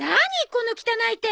この汚い手！